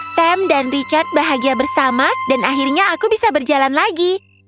sam dan richard bahagia bersama dan akhirnya aku bisa berjalan lagi